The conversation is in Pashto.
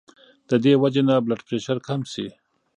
د دې وجې نه بلډ پرېشر کم شي